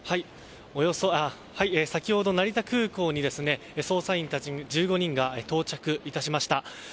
先ほど成田空港に捜査員たち１５人が到着いたしました。